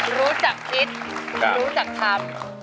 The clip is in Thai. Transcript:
รู้จักคิดรู้จักคำ